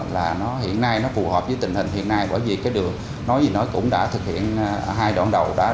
là nó hiện nay nó phù hợp với tình hình hiện nay bởi vì cái đường nói gì nói cũng đã thực hiện hai đoạn đầu